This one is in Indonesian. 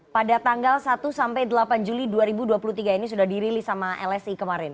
pada tanggal satu sampai delapan juli dua ribu dua puluh tiga ini sudah dirilis sama lsi kemarin